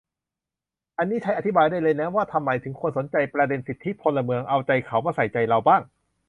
อันนี้ใช้อธิบายได้เลยนะ ว่าทำไมถึงควรสนใจประเด็นสิทธิพลเมือง เอาใจเขามาใส่ใจเราบ้าง